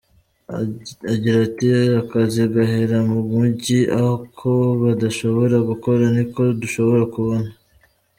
Agira ati “Akazi gahera mu mujyi, ako badashobora gukora ni ko dushobora kubona.